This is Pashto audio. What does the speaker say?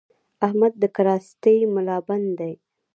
احمد د کراستې ملابند دی؛